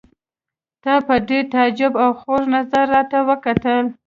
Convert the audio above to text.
تا په ډېر تعجب او خوږ نظر راته وکتل.